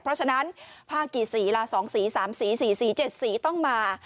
เพราะฉะนั้นผ้ากี่สีล่ะ๒สี๓สี๔สี๗สีต้องมา